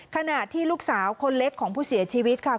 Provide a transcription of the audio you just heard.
ขณะที่ลูกสาวคนเล็กของผู้เสียชีวิตค่ะ